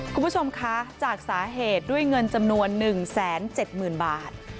คุณผู้ชมคะจากสาเหตุด้วยเงินจำนวนหนึ่งแสนเจ็ดหมื่นบาท